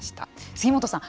杉本さん